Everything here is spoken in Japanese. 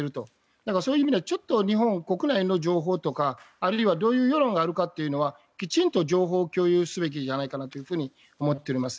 だからそういう意味ではちょっと日本国内の情報とかあるいはどういう世論があるかというのはきちんと情報を共有すべきじゃないかと思っています。